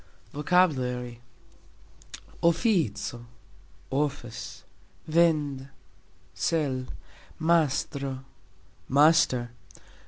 VOCABULARY. ofico : office. vend : sell. mastro : master.